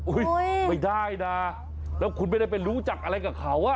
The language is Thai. ไม่ได้นะแล้วคุณไม่ได้ไปรู้จักอะไรกับเขาอ่ะ